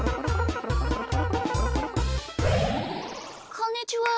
こんにちは。